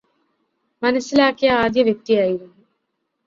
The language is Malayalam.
മനസ്സിലാക്കിയ ആദ്യ വ്യക്തി ആയിരുന്നു